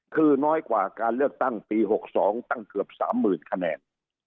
คือน้อยกว่าการเลือกตั้งปี๖๒ตั้งเกือบ๓๐๐๐คะแนน